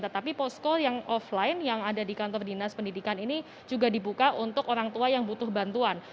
tetapi posko yang offline yang ada di kantor dinas pendidikan ini juga dibuka untuk orang tua yang butuh bantuan